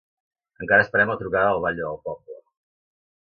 Encara esperem la trucada del batlle del poble.